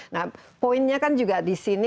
nah poinnya kan juga disini